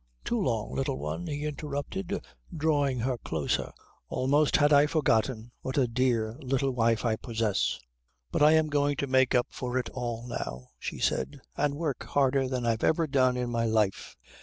"Too long, Little One," he interrupted, drawing her closer. "Almost had I forgotten what a dear little wife I possess." "But I'm going to make up for it all now," she said, "and work harder than I've ever done in my life."